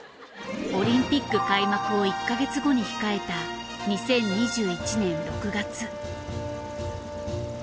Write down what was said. オリンピック開幕を１か月後に控えた２０２１年６月。